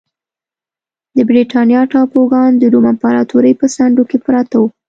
د برېټانیا ټاپوګان د روم امپراتورۍ په څنډو کې پراته وو